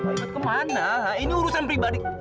mau ikut ke mana ini urusan pribadi